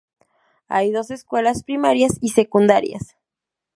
Hay dos escuelas primarias y secundarias.